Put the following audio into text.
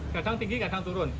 kadang tinggi kadang turun